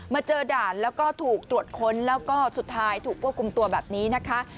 เจอด่านแล้วก็ถูกตรวจค้นแล้วก็สุดท้ายถูกควบคุมตัวแบบนี้นะคะ